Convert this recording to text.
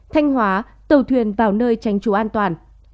thanh hóa tàu thuyền vào nơi tránh trú an toàn